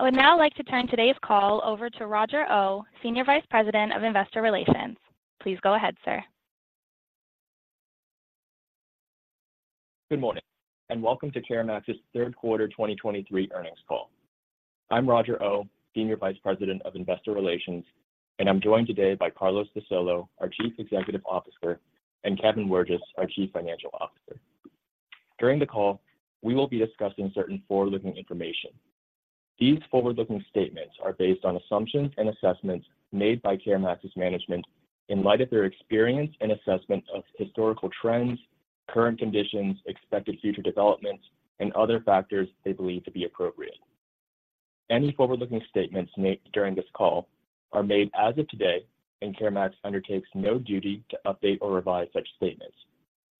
I would now like to turn today's call over to Roger Ou, Senior Vice President of Investor Relations. Please go ahead, sir. Good morning, and welcome to CareMax's third quarter 2023 earnings call. I'm Roger Ou, Senior Vice President of Investor Relations, and I'm joined today by Carlos de Solo, our Chief Executive Officer, and Kevin Wirges, our Chief Financial Officer. During the call, we will be discussing certain forward-looking information. These forward-looking statements are based on assumptions and assessments made by CareMax's management in light of their experience and assessment of historical trends, current conditions, expected future developments, and other factors they believe to be appropriate. Any forward-looking statements made during this call are made as of today, and CareMax undertakes no duty to update or revise such statements,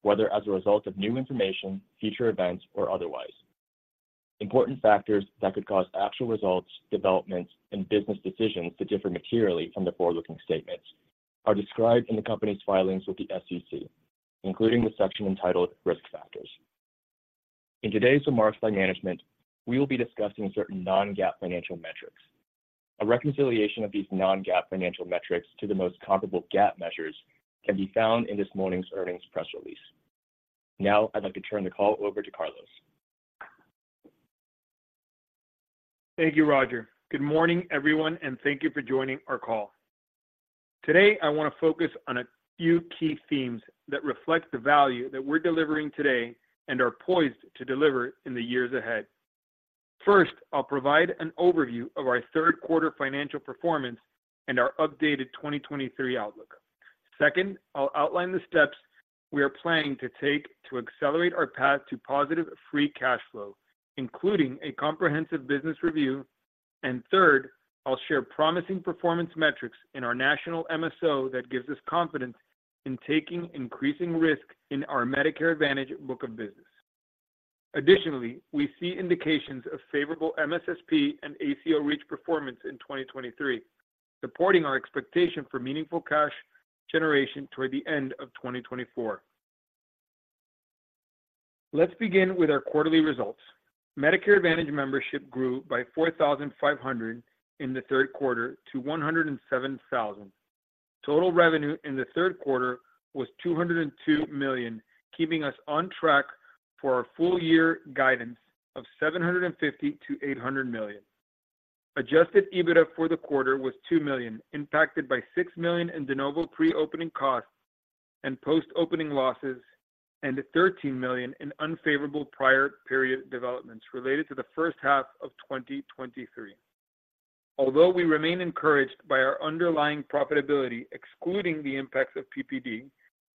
whether as a result of new information, future events, or otherwise. Important factors that could cause actual results, developments, and business decisions to differ materially from the forward-looking statements are described in the company's filings with the SEC, including the section entitled Risk Factors. In today's remarks by management, we will be discussing certain non-GAAP financial metrics. A reconciliation of these non-GAAP financial metrics to the most comparable GAAP measures can be found in this morning's earnings press release. Now, I'd like to turn the call over to Carlos. Thank you, Roger. Good morning, everyone, and thank you for joining our call. Today, I want to focus on a few key themes that reflect the value that we're delivering today and are poised to deliver in the years ahead. First, I'll provide an overview of our third quarter financial performance and our updated 2023 outlook. Second, I'll outline the steps we are planning to take to accelerate our path to positive free cash flow, including a comprehensive business review. Third, I'll share promising performance metrics in our national MSO that gives us confidence in taking increasing risk in our Medicare Advantage book of business. Additionally, we see indications of favorable MSSP and ACO Reach performance in 2023, supporting our expectation for meaningful cash generation toward the end of 2024. Let's begin with our quarterly results. Medicare Advantage membership grew by 4,500 in the third quarter to 107,000. Total revenue in the third quarter was $202 million, keeping us on track for our full year guidance of $750 million-$800 million. Adjusted EBITDA for the quarter was $2 million, impacted by $6 million in de novo pre-opening costs and post-opening losses, and $13 million in unfavorable prior period developments related to the first half of 2023. Although we remain encouraged by our underlying profitability, excluding the impacts of PPD,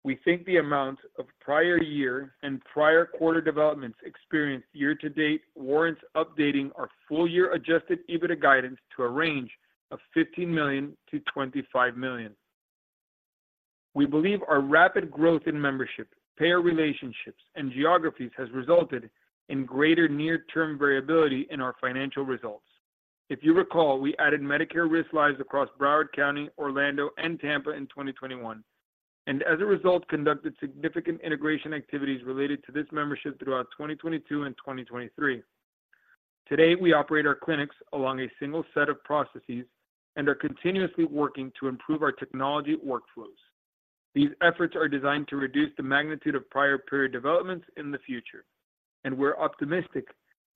we think the amount of prior year and prior quarter developments experienced year to date warrants updating our full year Adjusted EBITDA guidance to a range of $15 million-$25 million. We believe our rapid growth in membership, payer relationships, and geographies has resulted in greater near-term variability in our financial results. If you recall, we added Medicare risk lives across Broward County, Orlando, and Tampa in 2021, and as a result, conducted significant integration activities related to this membership throughout 2022 and 2023. Today, we operate our clinics along a single set of processes and are continuously working to improve our technology workflows. These efforts are designed to reduce the magnitude of prior period developments in the future, and we're optimistic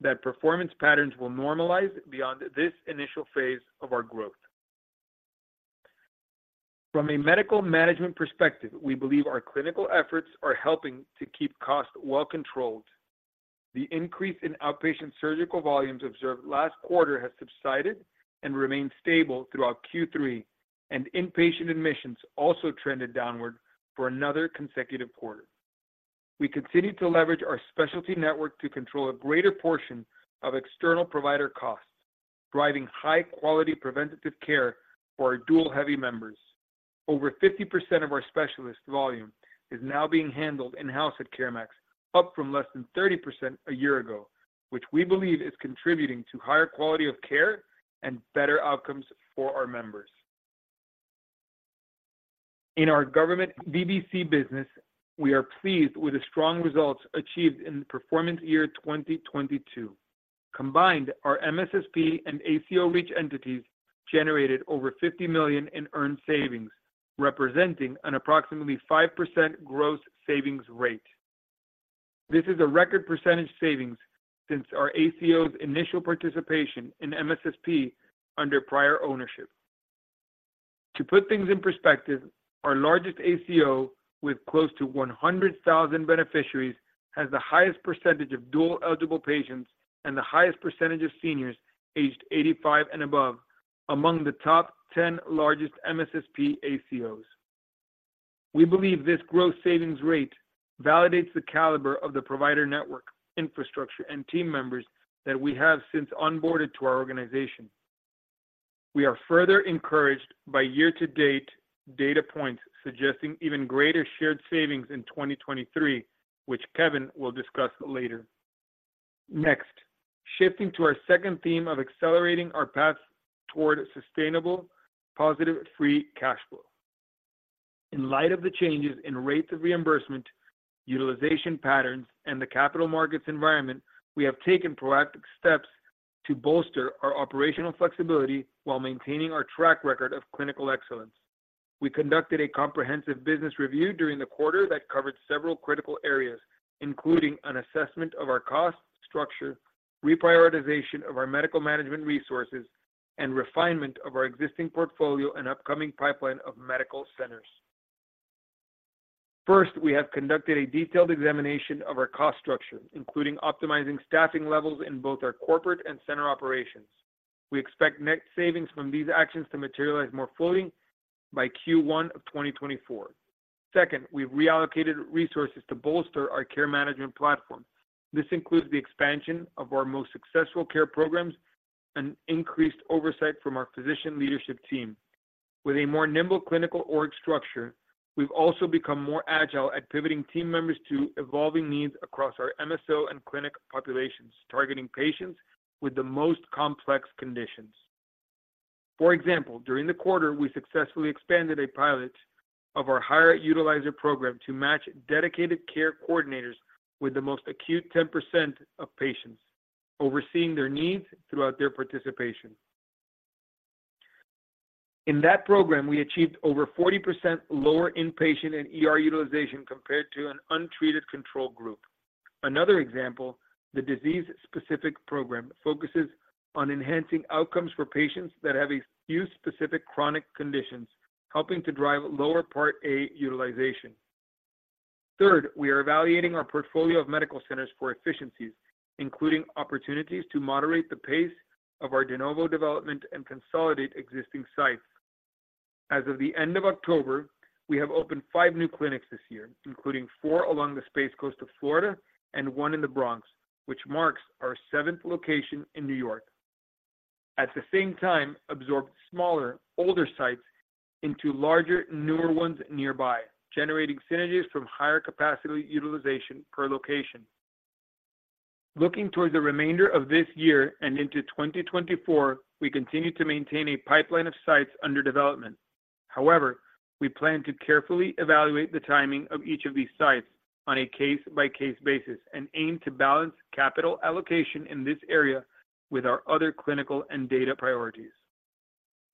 that performance patterns will normalize beyond this initial phase of our growth. From a medical management perspective, we believe our clinical efforts are helping to keep costs well controlled. The increase in outpatient surgical volumes observed last quarter has subsided and remained stable throughout Q3, and inpatient admissions also trended downward for another consecutive quarter. We continue to leverage our specialty network to control a greater portion of external provider costs, driving high quality preventative care for our dual-eligible members. Over 50% of our specialist volume is now being handled in-house at CareMax, up from less than 30% a year ago, which we believe is contributing to higher quality of care and better outcomes for our members. In our government VBC business, we are pleased with the strong results achieved in the performance year 2022. Combined, our MSSP and ACO Reach entities generated over $50 million in earned savings, representing an approximately 5% gross savings rate. This is a record percentage savings since our ACO's initial participation in MSSP under prior ownership. To put things in perspective, our largest ACO, with close to 100,000 beneficiaries, has the highest percentage of dual-eligible patients and the highest percentage of seniors aged 85 and above, among the top 10 largest MSSP ACOs. We believe this growth savings rate validates the caliber of the provider network, infrastructure, and team members that we have since onboarded to our organization. We are further encouraged by year-to-date data points suggesting even greater shared savings in 2023, which Kevin will discuss later. Next, shifting to our second theme of accelerating our path toward sustainable, positive free cash flow. In light of the changes in rates of reimbursement, utilization patterns, and the capital markets environment, we have taken proactive steps to bolster our operational flexibility while maintaining our track record of clinical excellence. We conducted a comprehensive business review during the quarter that covered several critical areas, including an assessment of our cost structure, reprioritization of our medical management resources, and refinement of our existing portfolio and upcoming pipeline of medical centers. First, we have conducted a detailed examination of our cost structure, including optimizing staffing levels in both our corporate and center operations. We expect net savings from these actions to materialize more fully by Q1 of 2024. Second, we've reallocated resources to bolster our care management platform. This includes the expansion of our most successful care programs and increased oversight from our physician leadership team. With a more nimble clinical org structure, we've also become more agile at pivoting team members to evolving needs across our MSO and clinic populations, targeting patients with the most complex conditions. For example, during the quarter, we successfully expanded a pilot of our higher utilizer program to match dedicated care coordinators with the most acute 10% of patients, overseeing their needs throughout their participation. In that program, we achieved over 40% lower inpatient and ER utilization compared to an untreated control group. Another example, the disease-specific program, focuses on enhancing outcomes for patients that have a few specific chronic conditions, helping to drive lower Part A utilization. Third, we are evaluating our portfolio of medical centers for efficiencies, including opportunities to moderate the pace of our de novo development and consolidate existing sites. As of the end of October, we have opened five new clinics this year, including four along the Space Coast of Florida and one in the Bronx, which marks our seventh location in New York. At the same time, absorbed smaller, older sites into larger, newer ones nearby, generating synergies from higher capacity utilization per location. Looking toward the remainder of this year and into 2024, we continue to maintain a pipeline of sites under development. However, we plan to carefully evaluate the timing of each of these sites on a case-by-case basis and aim to balance capital allocation in this area with our other clinical and data priorities.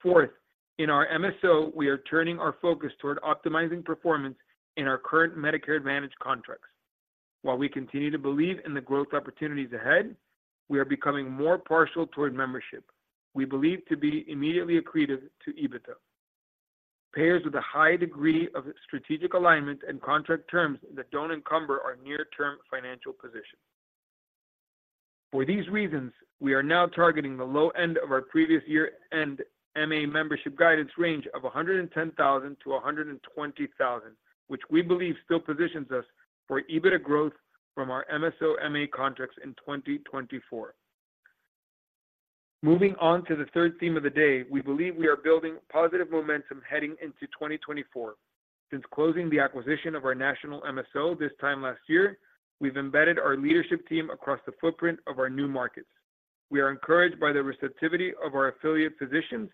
Fourth, in our MSO, we are turning our focus toward optimizing performance in our current Medicare Advantage contracts. While we continue to believe in the growth opportunities ahead, we are becoming more partial toward membership. We believe to be immediately accretive to EBITDA. Payers with a high degree of strategic alignment and contract terms that don't encumber our near-term financial position. For these reasons, we are now targeting the low end of our previous year-end MA membership guidance range of 110,000 to 120,000, which we believe still positions us for EBITDA growth from our MSO MA contracts in 2024. Moving on to the third theme of the day, we believe we are building positive momentum heading into 2024. Since closing the acquisition of our national MSO this time last year, we've embedded our leadership team across the footprint of our new markets. We are encouraged by the receptivity of our affiliate physicians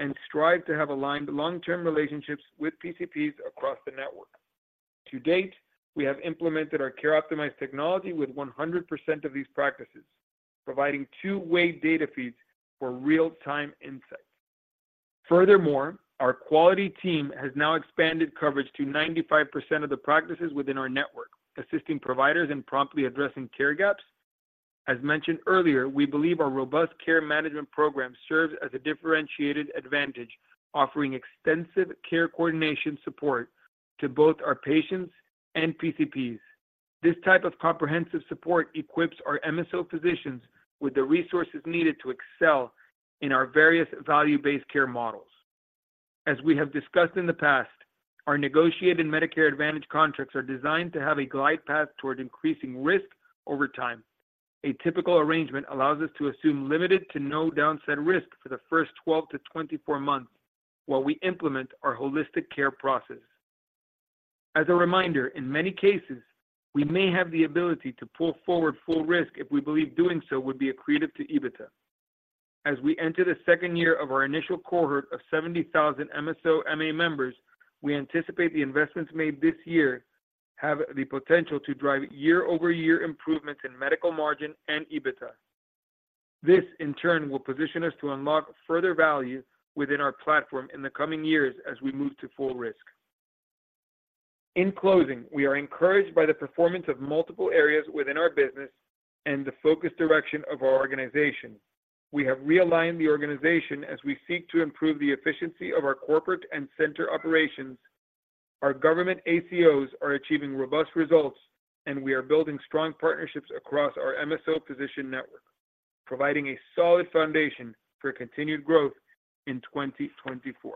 and strive to have aligned long-term relationships with PCPs across the network. To date, we have implemented our CareOptimize technology with 100% of these practices, providing two-way data feeds for real-time insights. Furthermore, our quality team has now expanded coverage to 95% of the practices within our network, assisting providers in promptly addressing care gaps. As mentioned earlier, we believe our robust care management program serves as a differentiated advantage, offering extensive care coordination support to both our patients and PCPs. This type of comprehensive support equips our MSO physicians with the resources needed to excel in our various value-based care models. As we have discussed in the past, our negotiated Medicare Advantage contracts are designed to have a glide path toward increasing risk over time. A typical arrangement allows us to assume limited to no downside risk for the first 12-24 months while we implement our holistic care process. As a reminder, in many cases, we may have the ability to pull forward full risk if we believe doing so would be accretive to EBITDA. As we enter the second year of our initial cohort of 70,000 MSO MA members, we anticipate the investments made this year have the potential to drive year-over-year improvements in medical margin and EBITDA. This, in turn, will position us to unlock further value within our platform in the coming years as we move to full risk. In closing, we are encouraged by the performance of multiple areas within our business and the focused direction of our organization. We have realigned the organization as we seek to improve the efficiency of our corporate and center operations. Our government ACOs are achieving robust results, and we are building strong partnerships across our MSO physician network, providing a solid foundation for continued growth in 2024.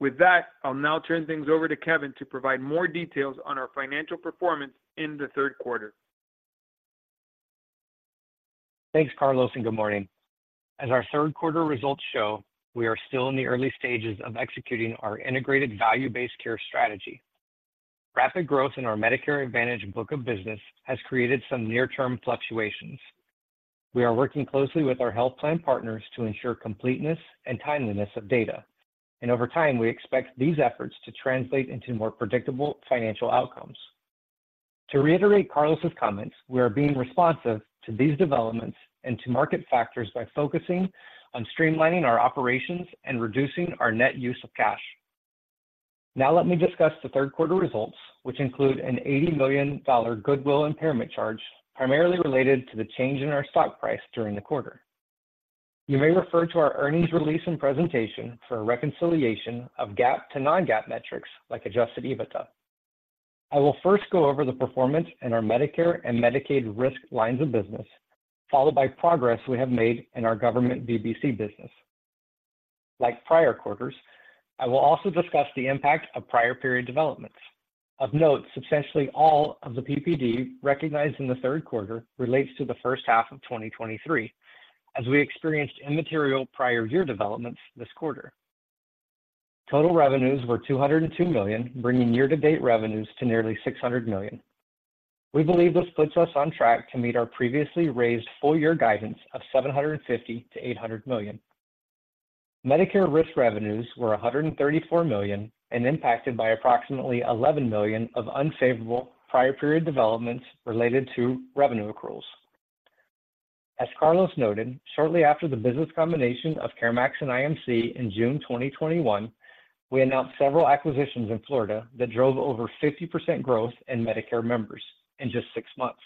With that, I'll now turn things over to Kevin to provide more details on our financial performance in the third quarter. Thanks, Carlos, and good morning. As our third quarter results show, we are still in the early stages of executing our integrated value-based care strategy. Rapid growth in our Medicare Advantage book of business has created some near-term fluctuations. We are working closely with our health plan partners to ensure completeness and timeliness of data, and over time, we expect these efforts to translate into more predictable financial outcomes. To reiterate Carlos's comments, we are being responsive to these developments and to market factors by focusing on streamlining our operations and reducing our net use of cash. Now let me discuss the third quarter results, which include an $80 million goodwill impairment charge, primarily related to the change in our stock price during the quarter. You may refer to our earnings release and presentation for a reconciliation of GAAP to non-GAAP metrics like Adjusted EBITDA. I will first go over the performance in our Medicare and Medicaid risk lines of business, followed by progress we have made in our government VBC business. Like prior quarters, I will also discuss the impact of prior period developments. Of note, substantially all of the PPD recognized in the third quarter relates to the first half of 2023, as we experienced immaterial prior year developments this quarter. Total revenues were $202 million, bringing year-to-date revenues to nearly $600 million. We believe this puts us on track to meet our previously raised full year guidance of $750 million-$800 million. Medicare risk revenues were $134 million and impacted by approximately $11 million of unfavorable prior period developments related to revenue accruals. As Carlos noted, shortly after the business combination of CareMax and IMC in June 2021, we announced several acquisitions in Florida that drove over 50% growth in Medicare members in just six months.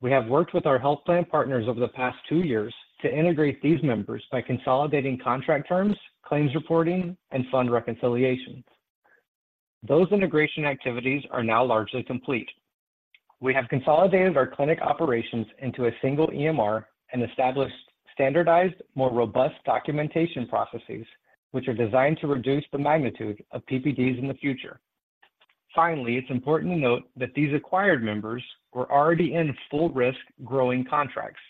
We have worked with our health plan partners over the past two years to integrate these members by consolidating contract terms, claims reporting, and fund reconciliations. Those integration activities are now largely complete. We have consolidated our clinic operations into a single EMR and established standardized, more robust documentation processes, which are designed to reduce the magnitude of PPDs in the future. Finally, it's important to note that these acquired members were already in full risk growing contracts.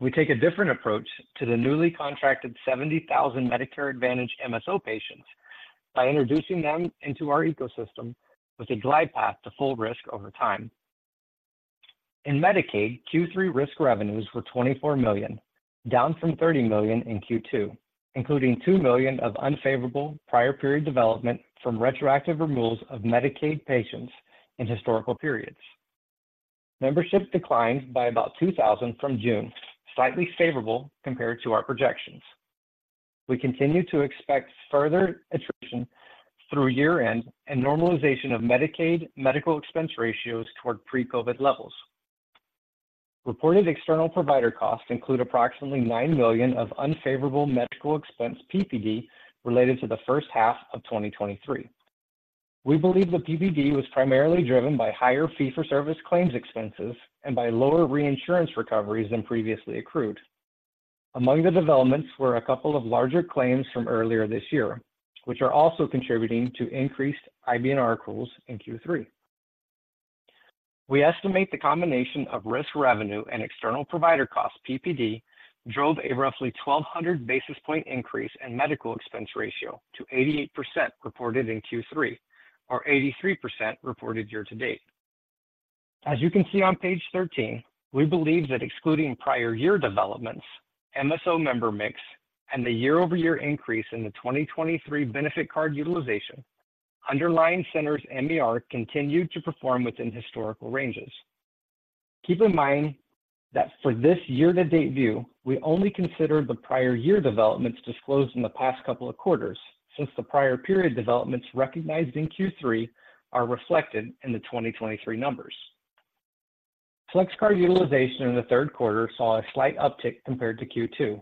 We take a different approach to the newly contracted 70,000 Medicare Advantage MSO patients by introducing them into our ecosystem with a glide path to full risk over time. In Medicaid, Q3 risk revenues were $24 million, down from $30 million in Q2, including $2 million of unfavorable prior period development from retroactive removals of Medicaid patients in historical periods. Membership declined by about 2,000 from June, slightly favorable compared to our projections. We continue to expect further attrition through year-end and normalization of Medicaid medical expense ratios toward pre-COVID levels. Reported external provider costs include approximately $9 million of unfavorable medical expense PPD related to the first half of 2023. We believe the PPD was primarily driven by higher fee-for-service claims expenses and by lower reinsurance recoveries than previously accrued. Among the developments were a couple of larger claims from earlier this year, which are also contributing to increased IBNR accruals in Q3. We estimate the combination of risk revenue and external provider costs, PPD, drove a roughly 1,200 basis point increase in medical expense ratio to 88% reported in Q3, or 83% reported year to date. As you can see on page 13, we believe that excluding prior year developments, MSO member mix, and the year-over-year increase in the 2023 benefit card utilization, underlying centers MER continued to perform within historical ranges. Keep in mind that for this year-to-date view, we only consider the prior year developments disclosed in the past couple of quarters, since the prior period developments recognized in Q3 are reflected in the 2023 numbers. Flex card utilization in the third quarter saw a slight uptick compared to Q2.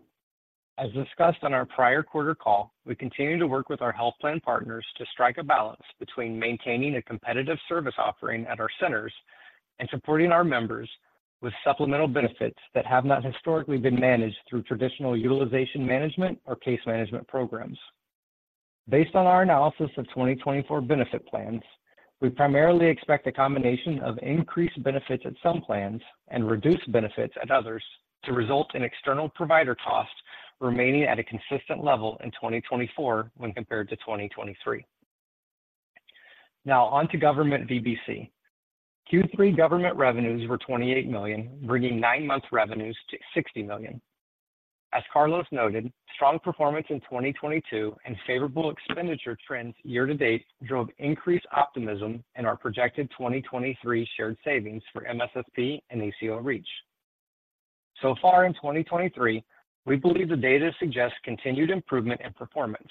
As discussed on our prior quarter call, we continue to work with our health plan partners to strike a balance between maintaining a competitive service offering at our centers and supporting our members with supplemental benefits that have not historically been managed through traditional utilization management or case management programs. Based on our analysis of 2024 benefit plans, we primarily expect a combination of increased benefits at some plans and reduced benefits at others to result in external provider costs remaining at a consistent level in 2024 when compared to 2023. Now on to government VBC. Q3 government revenues were $28 million, bringing nine-month revenues to $60 million. As Carlos noted, strong performance in 2022 and favorable expenditure trends year to date drove increased optimism in our projected 2023 shared savings for MSSP and ACO Reach. So far in 2023, we believe the data suggests continued improvement in performance.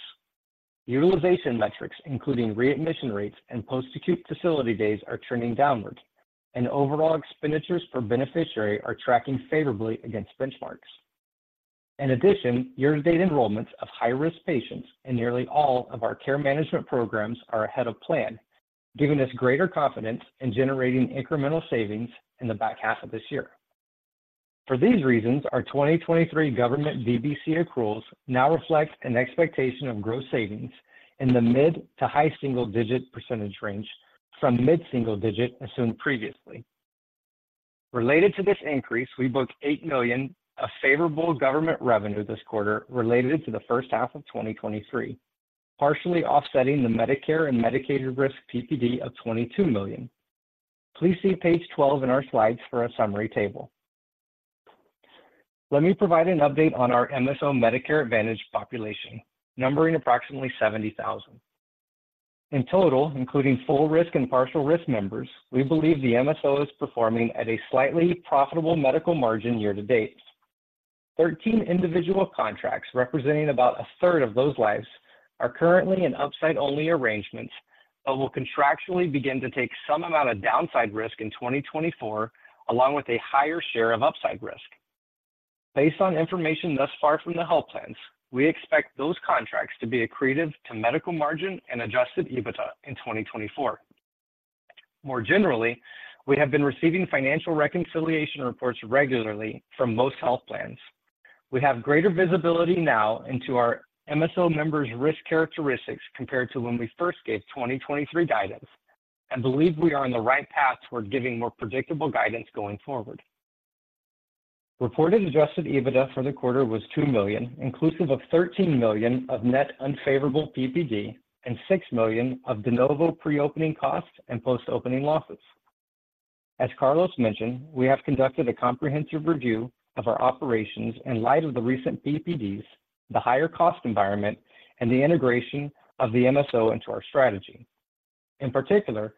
Utilization metrics, including readmission rates and post-acute facility days, are trending downward, and overall expenditures per beneficiary are tracking favorably against benchmarks. In addition, year-to-date enrollments of high-risk patients in nearly all of our care management programs are ahead of plan, giving us greater confidence in generating incremental savings in the back half of this year. For these reasons, our 2023 government VBC accruals now reflect an expectation of gross savings in the mid- to high-single-digit % range from mid-single-digit assumed previously. Related to this increase, we booked $8 million of favorable government revenue this quarter related to the first half of 2023, partially offsetting the Medicare and Medicaid risk PPD of $22 million. Please see page 12 in our slides for a summary table. Let me provide an update on our MSO Medicare Advantage population, numbering approximately 70,000. In total, including full risk and partial risk members, we believe the MSO is performing at a slightly profitable medical margin year to date. 13 individual contracts, representing about a third of those lives, are currently in upside-only arrangements, but will contractually begin to take some amount of downside risk in 2024, along with a higher share of upside risk. Based on information thus far from the health plans, we expect those contracts to be accretive to medical margin and Adjusted EBITDA in 2024. More generally, we have been receiving financial reconciliation reports regularly from most health plans. We have greater visibility now into our MSO members' risk characteristics compared to when we first gave 2023 guidance, and believe we are on the right path toward giving more predictable guidance going forward. Reported Adjusted EBITDA for the quarter was $2 million, inclusive of $13 million of net unfavorable PPD and $6 million of de novo preopening costs and post-opening losses. As Carlos mentioned, we have conducted a comprehensive review of our operations in light of the recent PPDs, the higher cost environment, and the integration of the MSO into our strategy. In particular,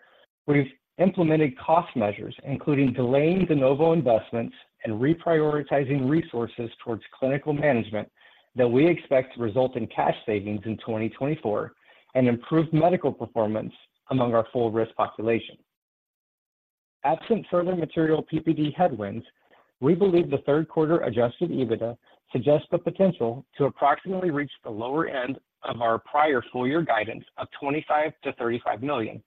we've implemented cost measures, including delaying de novo investments and reprioritizing resources towards clinical management, that we expect to result in cash savings in 2024 and improved medical performance among our full risk population. Absent further material PPD headwinds, we believe the third quarter Adjusted EBITDA suggests the potential to approximately reach the lower end of our prior full year guidance of $25 million-$35 million.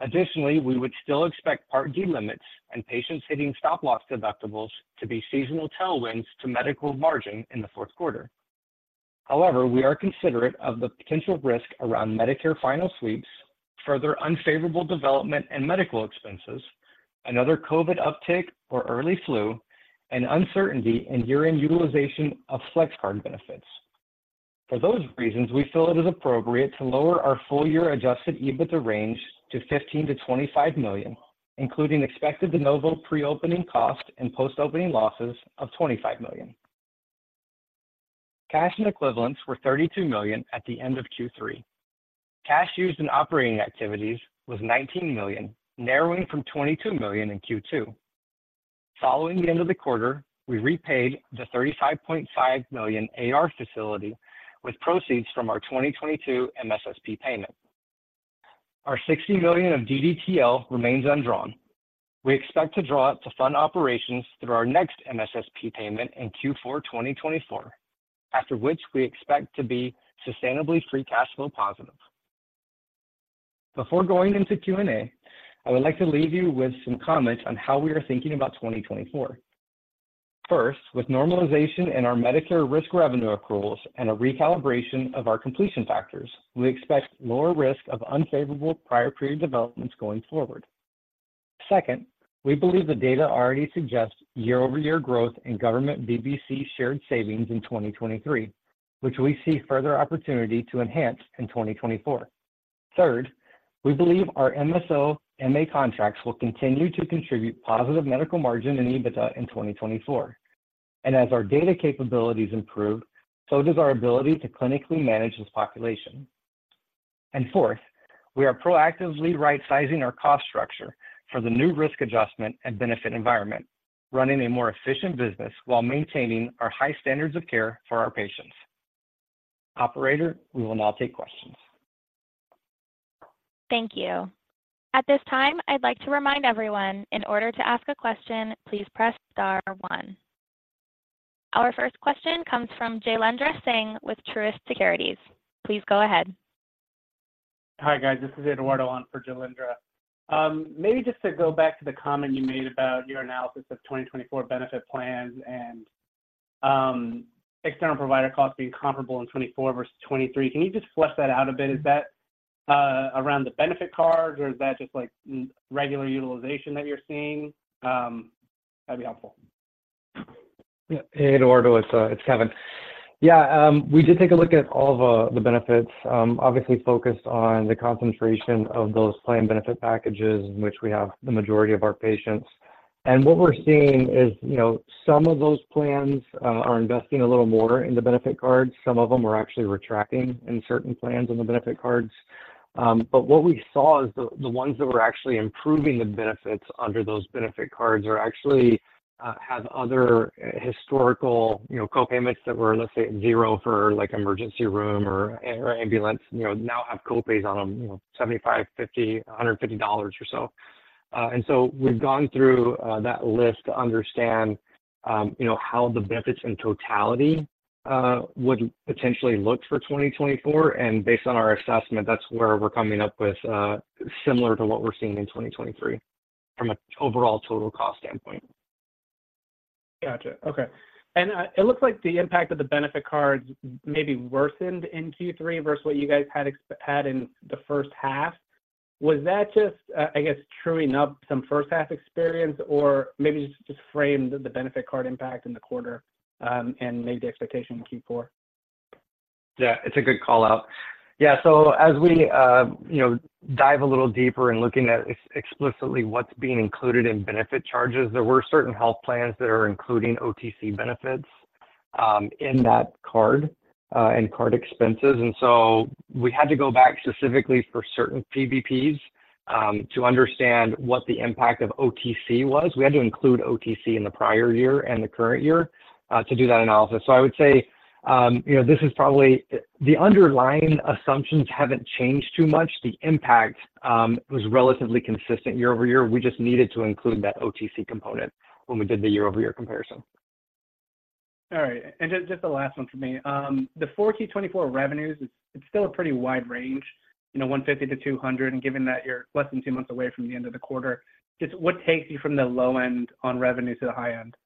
Additionally, we would still expect Part D limits and patients hitting stop-loss deductibles to be seasonal tailwinds to medical margin in the fourth quarter. However, we are considerate of the potential risk around Medicare final sweeps, further unfavorable development and medical expenses, another COVID uptick or early flu, and uncertainty in year-end utilization of flex card benefits. For those reasons, we feel it is appropriate to lower our full-year Adjusted EBITDA range to $15 million-$25 million, including expected de novo preopening costs and post-opening losses of $25 million. Cash and equivalents were $32 million at the end of Q3. Cash used in operating activities was $19 million, narrowing from $22 million in Q2. Following the end of the quarter, we repaid the $35.5 million AR facility with proceeds from our 2022 MSSP payment. Our $60 million of DDTL remains undrawn. We expect to draw it to fund operations through our next MSSP payment in Q4 2024, after which we expect to be sustainably free cash flow positive. Before going into Q&A, I would like to leave you with some comments on how we are thinking about 2024. First, with normalization in our Medicare risk revenue accruals and a recalibration of our completion factors, we expect lower risk of unfavorable prior period developments going forward. Second, we believe the data already suggests year-over-year growth in government VBC shared savings in 2023, which we see further opportunity to enhance in 2024. Third, we believe our MSO MA contracts will continue to contribute positive medical margin and EBITDA in 2024, and as our data capabilities improve, so does our ability to clinically manage this population. And fourth, we are proactively rightsizing our cost structure for the new risk adjustment and benefit environment, running a more efficient business while maintaining our high standards of care for our patients. Operator, we will now take questions. Thank you. At this time, I'd like to remind everyone, in order to ask a question, please press star one. Our first question comes from Jailendra Singh with Truist Securities. Please go ahead. Hi, guys. This is Eduardo on for Jailendra. Maybe just to go back to the comment you made about your analysis of 2024 benefit plans and external provider costs being comparable in 2024 versus 2023. Can you just flesh that out a bit? Is that around the benefit cards or is that just like regular utilization that you're seeing? That'd be helpful. Yeah. Hey, Eduardo, it's Kevin. Yeah, we did take a look at all the benefits, obviously focused on the concentration of those plan benefit packages in which we have the majority of our patients. And what we're seeing is, you know, some of those plans are investing a little more in the benefit cards. Some of them are actually retracting in certain plans on the benefit cards. But what we saw is the ones that were actually improving the benefits under those benefit cards are actually have other historical, you know, co-payments that were, let's say, 0 for, like, emergency room or ambulance, you know, now have co-pays on them, you know, $75, $50, $150 or so. And so we've gone through that list to understand, you know, how the benefits in totality would potentially look for 2024, and based on our assessment, that's where we're coming up with similar to what we're seeing in 2023 from an overall total cost standpoint.... Gotcha. Okay, and it looks like the impact of the benefit cards maybe worsened in Q3 versus what you guys had in the first half. Was that just, I guess, truing up some first half experience, or maybe just frame the benefit card impact in the quarter, and maybe the expectation in Q4? Yeah, it's a good call-out. Yeah, so as we, you know, dive a little deeper in looking at explicitly what's being included in benefit charges, there were certain health plans that are including OTC benefits, in that card, and card expenses. And so we had to go back specifically for certain PBPs, to understand what the impact of OTC was. We had to include OTC in the prior year and the current year, to do that analysis. So I would say, you know, this is probably—the underlying assumptions haven't changed too much. The impact, was relatively consistent year-over-year. We just needed to include that OTC component when we did the year-over-year comparison. All right. And just, just the last one for me. The full Q4 2024 revenues, it's still a pretty wide range, you know, $150-$200, and given that you're less than two months away from the end of the quarter, just what takes you from the low end on revenue to the high end?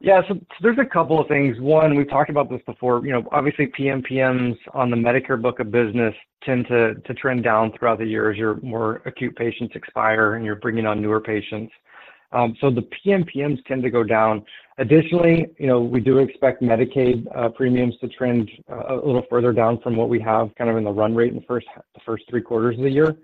Yeah, so there's a couple of things. One, we've talked about this before, you know, obviously, PMPMs on the Medicare book of business tend to trend down throughout the year as your more acute patients expire, and you're bringing on newer patients. So the PMPMs tend to go down. Additionally, you know, we do expect Medicaid premiums to trend a little further down from what we have kind of in the run rate in the first three quarters of the year,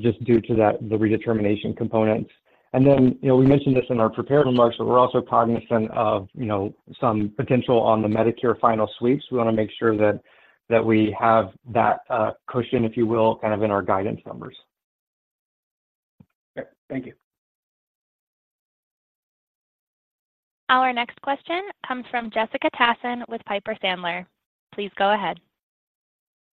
just due to that, the redetermination components. And then, you know, we mentioned this in our prepared remarks, but we're also cognizant of, you know, some potential on the Medicare final sweeps. We wanna make sure that we have that cushion, if you will, kind of in our guidance numbers. Okay. Thank you. Our next question comes from Jessica Tassan with Piper Sandler. Please go ahead.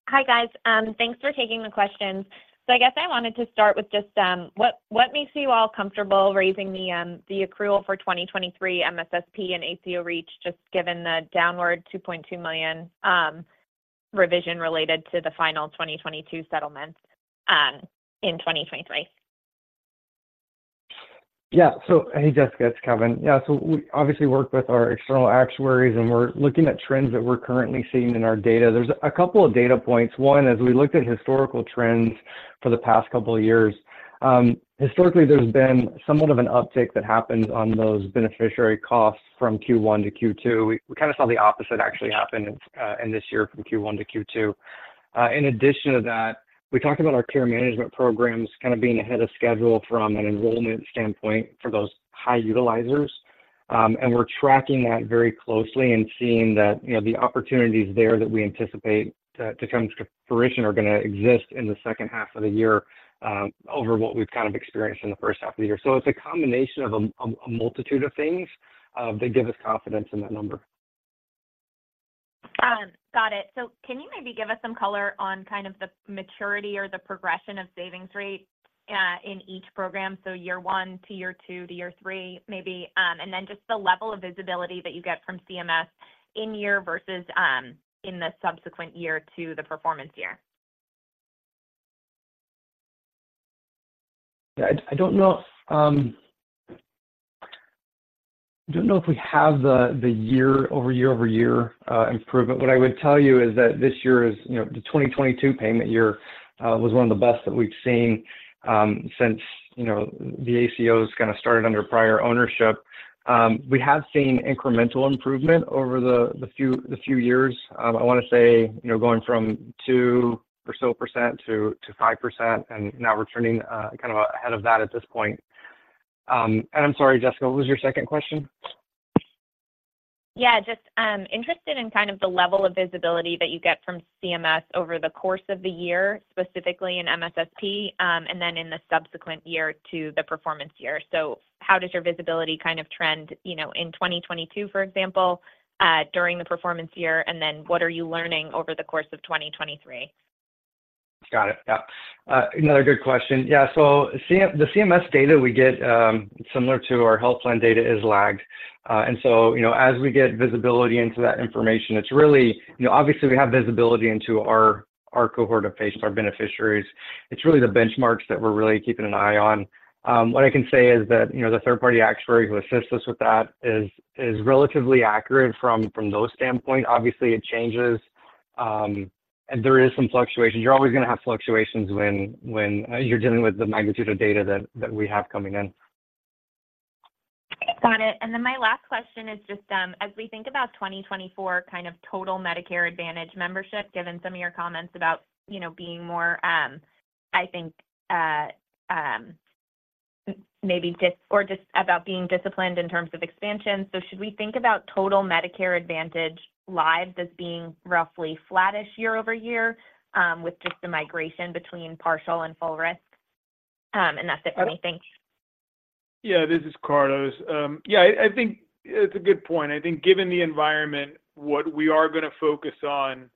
Hi, guys, thanks for taking the questions. So I guess I wanted to start with just, what makes you all comfortable raising the accrual for 2023 MSSP and ACO Reach, just given the downward $2.2 million revision related to the final 2022 settlement, in 2023? Yeah. So hey, Jessica, it's Kevin. Yeah, so we obviously work with our external actuaries, and we're looking at trends that we're currently seeing in our data. There's a couple of data points. One, as we looked at historical trends for the past couple of years, historically, there's been somewhat of an uptick that happens on those beneficiary costs from Q1 to Q2. We kind of saw the opposite actually happen in this year from Q1 to Q2. In addition to that, we talked about our care management programs kind of being ahead of schedule from an enrollment standpoint for those high utilizers. And we're tracking that very closely and seeing that, you know, the opportunities there that we anticipate to come to fruition are gonna exist in the second half of the year, over what we've kind of experienced in the first half of the year. So it's a combination of a multitude of things that give us confidence in that number. Got it. So can you maybe give us some color on kind of the maturity or the progression of savings rates in each program? So year one to year two to year three, maybe, and then just the level of visibility that you get from CMS in year versus in the subsequent year to the performance year. Yeah, I don't know if we have the year-over-year improvement. What I would tell you is that this year is, you know, the 2022 payment year was one of the best that we've seen since, you know, the ACOs kind of started under prior ownership. We have seen incremental improvement over the few years. I wanna say, you know, going from 2% or so to 5%, and now we're turning kind of ahead of that at this point. And I'm sorry, Jessica, what was your second question? Yeah, just interested in kind of the level of visibility that you get from CMS over the course of the year, specifically in MSSP, and then in the subsequent year to the performance year. So how does your visibility kind of trend, you know, in 2022, for example, during the performance year? And then what are you learning over the course of 2023? Got it. Yeah. Another good question. Yeah, so the CMS data we get, similar to our health plan data, is lagged. And so, you know, as we get visibility into that information, it's really, you know, obviously, we have visibility into our cohort of patients, our beneficiaries. It's really the benchmarks that we're really keeping an eye on. What I can say is that, you know, the third-party actuary who assists us with that is relatively accurate from those standpoints. Obviously, it changes, and there is some fluctuation. You're always gonna have fluctuations when you're dealing with the magnitude of data that we have coming in. Got it. And then my last question is just, as we think about 2024 kind of total Medicare Advantage membership, given some of your comments about, you know, being more, I think, maybe just, or just about being disciplined in terms of expansion. So should we think about total Medicare Advantage lives as being roughly flattish year-over-year, with just the migration between partial and full risk? And that's it for me. Thanks. Yeah, this is Carlos. Yeah, I think it's a good point. I think given the environment, what we are gonna focus on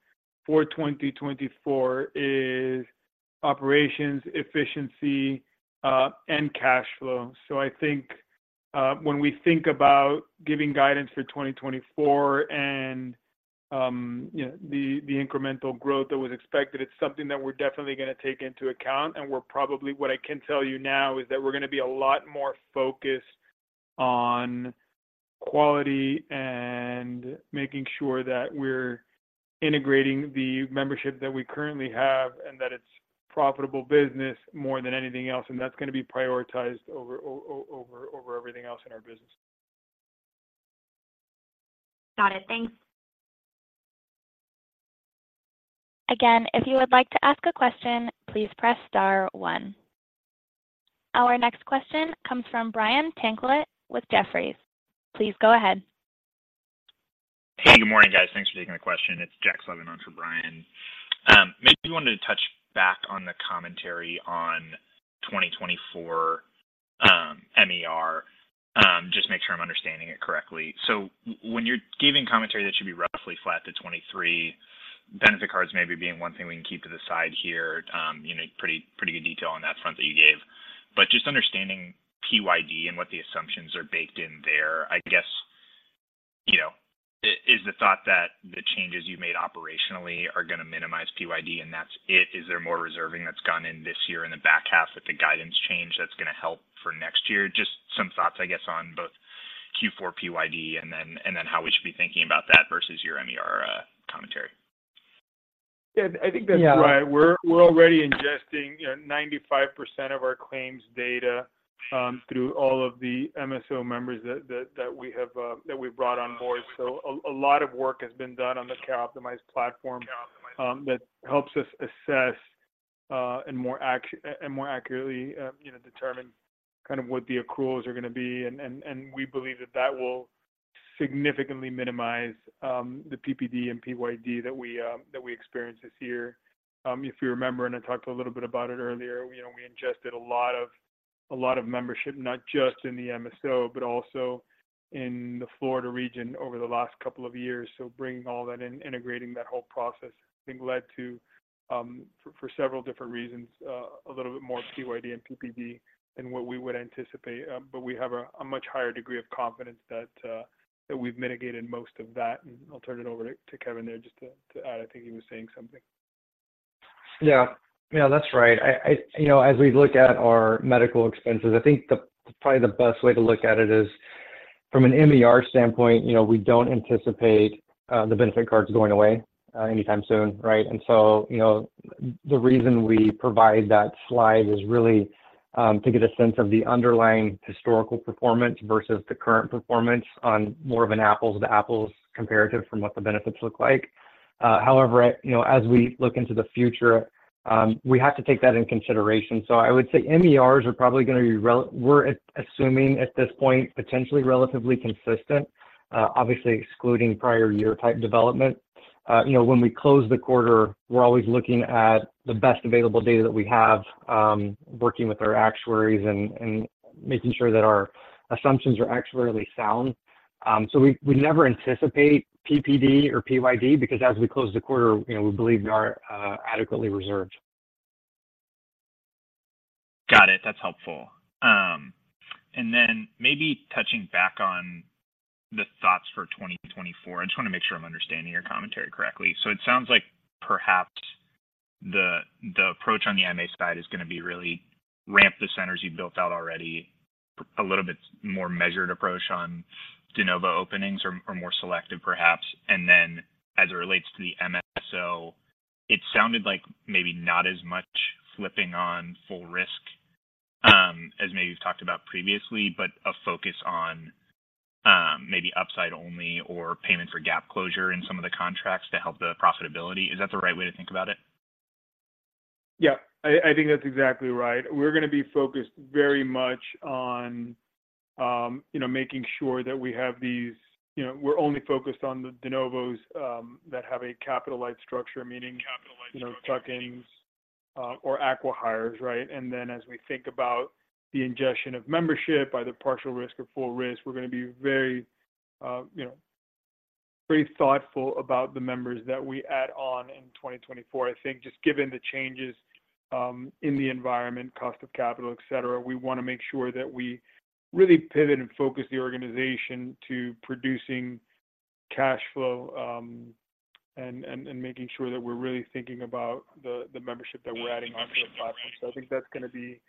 for 2024 is operations, efficiency, and cash flow. So I think, when we think about giving guidance for 2024 and- ... you know, the incremental growth that was expected, it's something that we're definitely gonna take into account, and we're probably. What I can tell you now is that we're gonna be a lot more focused on quality and making sure that we're integrating the membership that we currently have, and that it's profitable business more than anything else, and that's gonna be prioritized over everything else in our business. Got it. Thanks. Again, if you would like to ask a question, please press star one. Our next question comes from Brian Tanquilut with Jefferies. Please go ahead. Hey, good morning, guys. Thanks for taking the question. It's Jack Sullivan on for Brian. Maybe you wanted to touch back on the commentary on 2024 MER. Just make sure I'm understanding it correctly. So when you're giving commentary, that should be roughly flat to 2023, benefit cards maybe being one thing we can keep to the side here. You know, pretty, pretty good detail on that front that you gave. But just understanding PYD and what the assumptions are baked in there, I guess, you know, is the thought that the changes you made operationally are gonna minimize PYD, and that's it? Is there more reserving that's gone in this year in the back half with the guidance change that's gonna help for next year? Just some thoughts, I guess, on both Q4 PYD, and then, and then how we should be thinking about that versus your MER commentary. Yeah, I think that's right. Yeah. We're already ingesting, you know, 95% of our claims data through all of the MSO members that we have that we've brought on board. So a lot of work has been done on the CareOptimize platform that helps us assess and more accurately you know determine kind of what the accruals are gonna be. And we believe that that will significantly minimize the PPD and PYD that we experienced this year. If you remember, and I talked a little bit about it earlier, you know, we ingested a lot of membership, not just in the MSO, but also in the Florida region over the last couple of years. So bringing all that in, integrating that whole process, I think, led to, for several different reasons, a little bit more PYD and PPD than what we would anticipate. But we have a much higher degree of confidence that we've mitigated most of that. And I'll turn it over to Kevin there, just to add. I think he was saying something. Yeah. Yeah, that's right. You know, as we look at our medical expenses, I think probably the best way to look at it is from an MER standpoint, you know, we don't anticipate the benefit cards going away anytime soon, right? And so, you know, the reason we provide that slide is really to get a sense of the underlying historical performance versus the current performance on more of an apples to apples comparative from what the benefits look like. However, you know, as we look into the future, we have to take that in consideration. So I would say MERs are probably gonna be, we're assuming at this point, potentially relatively consistent, obviously excluding prior year type development. You know, when we close the quarter, we're always looking at the best available data that we have, working with our actuaries and making sure that our assumptions are actuarially sound. So we never anticipate PPD or PYD, because as we close the quarter, you know, we believe we are adequately reserved. Got it. That's helpful. And then maybe touching back on the thoughts for 2024. I just wanna make sure I'm understanding your commentary correctly. So it sounds like perhaps the approach on the MA side is gonna be really ramp the centers you've built out already, a little bit more measured approach on de novo openings or more selective perhaps. And then as it relates to the MSO, it sounded like maybe not as much flipping on full risk as maybe you've talked about previously, but a focus on maybe upside only or payment for gap closure in some of the contracts to help the profitability. Is that the right way to think about it? Yeah, I think that's exactly right. We're gonna be focused very much on, you know, making sure that we have these, you know, we're only focused on the de novos that have a capital light structure, meaning, you know, tuck-ins or acqui-hires, right? And then, as we think about the ingestion of membership, either partial risk or full risk, we're gonna be very, you know, very thoughtful about the members that we add on in 2024. I think just given the changes in the environment, cost of capital, et cetera, we wanna make sure that we really pivot and focus the organization to producing cash flow, and making sure that we're really thinking about the membership that we're adding onto the platform. So I think that's gonna be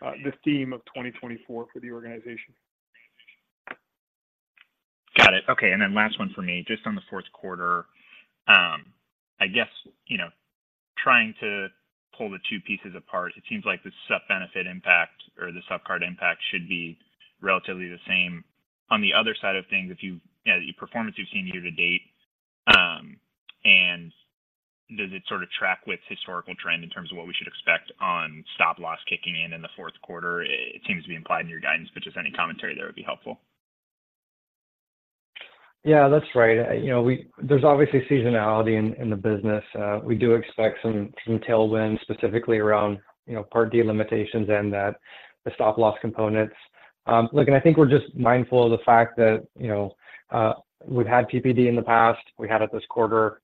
the theme of 2024 for the organization. Got it. Okay, and then last one for me, just on the fourth quarter. I guess, you know, trying to pull the two pieces apart, it seems like the supp benefit impact or the supp card impact should be relatively the same. On the other side of things, if you, you know, the performance you've seen year to date, and does it sort of track with historical trend in terms of what we should expect on stop-loss kicking in, in the fourth quarter? It seems to be implied in your guidance, but just any commentary there would be helpful. Yeah, that's right. You know, we. There's obviously seasonality in the business. We do expect some tailwind specifically around, you know, Part D limitations and that the stop-loss components. Look, and I think we're just mindful of the fact that, you know, we've had PPD in the past, we had it this quarter.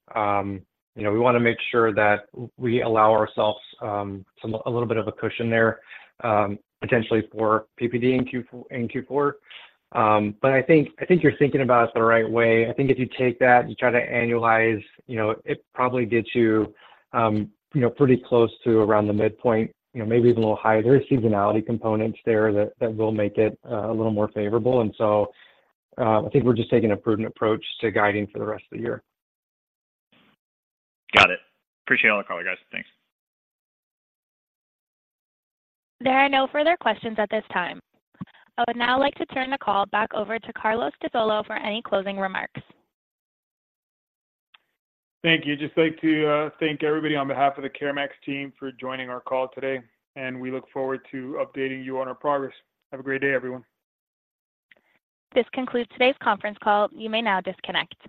You know, we wanna make sure that we allow ourselves some... a little bit of a cushion there, potentially for PPD in Q4. But I think, I think you're thinking about it the right way. I think if you take that and you try to annualize, you know, it probably gets you, you know, pretty close to around the midpoint, you know, maybe even a little higher. There is seasonality components there that will make it a little more favorable. I think we're just taking a prudent approach to guiding for the rest of the year. Got it. Appreciate all the call, guys. Thanks. There are no further questions at this time. I would now like to turn the call back over to Carlos de Solo for any closing remarks. Thank you. Just like to thank everybody on behalf of the CareMax team for joining our call today, and we look forward to updating you on our progress. Have a great day, everyone. This concludes today's conference call. You may now disconnect.